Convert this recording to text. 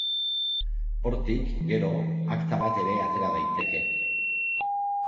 Hortik, gero, akta bat ere atera daiteke.